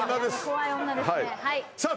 怖い女ですねさあ